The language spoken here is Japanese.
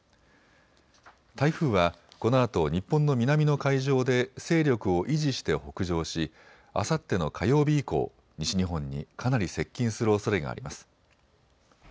台風はこのあと日本の南の海上で勢力を維持して北上しあさっての火曜日以降、西日本にかなり接近するおそれがあります。